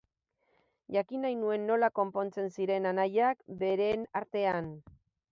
Jakin nahi nuen nola konpontzen ziren anaiak beren artean.